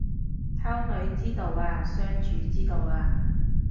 溝女之道啊相處之道啊